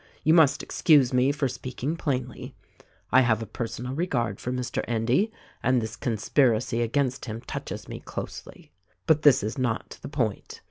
"You must excuse me for speaking plainly ; I have a personal regard for Mr. Endy. and this conspiracy against him touches me closely. But this is not to the point.